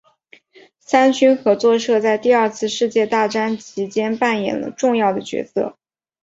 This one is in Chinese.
三军合作社在第二次世界大战其间扮演了重要的角色。